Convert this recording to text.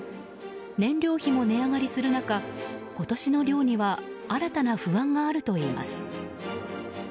燃料費も値上がりする中今年の漁には新たな不安があるといいます。